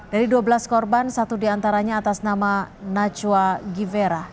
dari dua belas korban satu diantaranya atas nama najwa givera